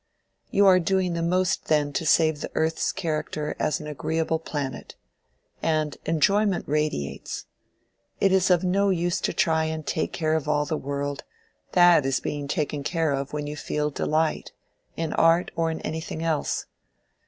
You are doing the most then to save the earth's character as an agreeable planet. And enjoyment radiates. It is of no use to try and take care of all the world; that is being taken care of when you feel delight—in art or in anything else.